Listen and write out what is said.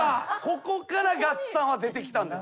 ここからガッツさんは出てきたんです。